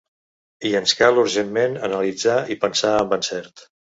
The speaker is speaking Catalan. I ens cal urgentment analitzar i pensar amb encert.